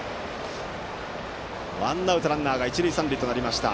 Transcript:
ワンアウトランナー、一塁三塁となりました。